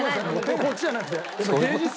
こっちじゃなくて。